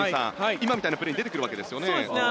今みたいなプレーに出てくるわけですね。